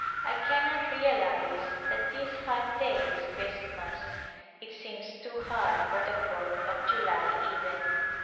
I cannot realize that this hot day is Christmas. It seems too hot for the Fourth of July even.